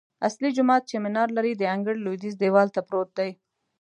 اصلي جومات چې منار لري، د انګړ لویدیځ دیوال ته پروت دی.